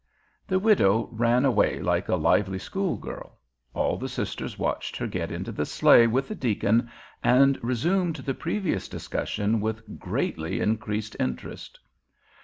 The widow ran away like a lively schoolgirl. All the sisters watched her get into the sleigh with the deacon, and resumed the previous discussion with greatly increased interest.